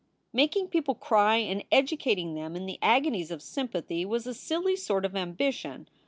Making people cry and educating them in the agonies of sympathy was a silly sort of ambition.